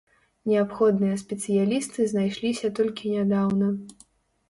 Неабходныя спецыялісты знайшліся толькі нядаўна.